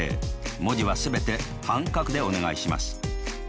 文字は全て半角でお願いします。